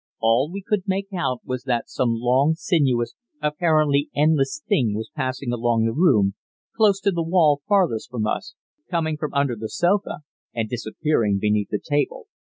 All we could make out was that some long, sinuous, apparently endless Thing was passing along the room, close to the wall farthest from us, coming from under the sofa and disappearing beneath the table.